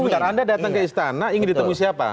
sebentar anda datang ke istana ingin ditemui siapa